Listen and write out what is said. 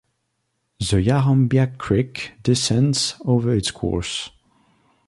The Yarriambiack Creek descends over its course.